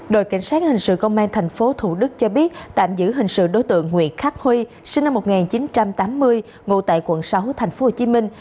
đội cảnh sát hình sự công an tp thủ đức cho biết tạm giữ hình sự đối tượng nguyễn khắc huy sinh năm một nghìn chín trăm tám mươi ngụ tại quận sáu thành phố hồ chí minh